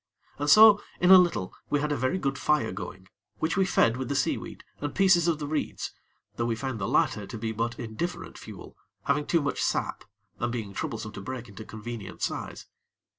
And so in a little, we had a very good fire going, which we fed with the seaweed and pieces of the reeds, though we found the latter to be but indifferent fuel, having too much sap, and being troublesome to break into convenient size.